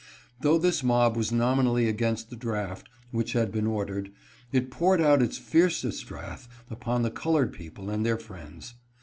Though this mob was nominally against the draft which had been ordered, it poured out its fiercest wrath upon the colored people and their friends.